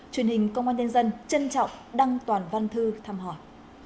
truyền hình công an nhân dân trân trọng đăng toàn văn thư thăm hỏi